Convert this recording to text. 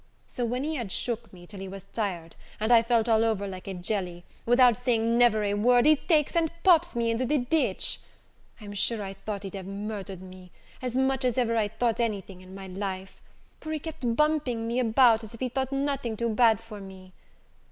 So when he had shook me till he was tired, and I felt all over like a jelly, without saying never a word, he takes and pops me into the ditch! I'm sure, I thought he'd have murdered me, as much as ever I thought any thing in my life; for he kept bumping me about, as if he thought nothing too bad for me.